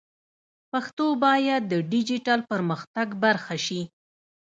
پښتو باید د ډیجیټل پرمختګ برخه شي.